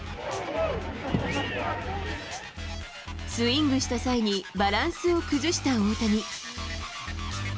スイングした際にバランスを崩した大谷。